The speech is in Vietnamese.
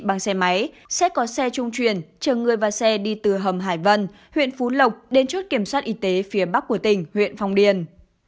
bằng xe máy sẽ có xe trung truyền chờ người và xe đi từ hầm hải vân huyện phú lộc đến chốt kiểm soát y tế phía bắc của tỉnh huyện phong điền